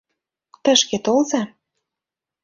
Тышке толза...